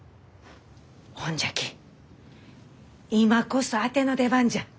ほんじゃき今こそあての出番じゃ。